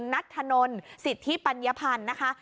นัทธนลสิทธิปัญญพันธ์นะคะ